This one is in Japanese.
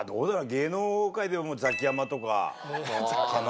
芸能界ではもうザキヤマとかかな。